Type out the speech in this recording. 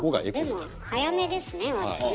でも早めですね割とね。